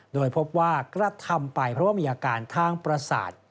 โดยพบว่ากระทำไปเพราะว่ามีอาการทางประสาท